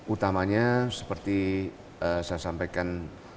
utamanya seperti saya sampaikan